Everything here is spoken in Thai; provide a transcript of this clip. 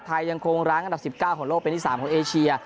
ไทยยังคงร้างอันดับ๑๙ของโลกเป็นที่๓ของเอเชีย